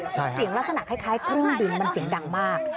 เสียงลักษณะคล้ายเครื่องบินมันเสียงดังมาก